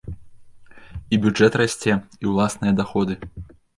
І бюджэт расце, і ўласныя даходы!